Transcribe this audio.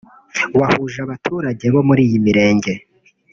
wahuje abaturage bo muri iyi mirenge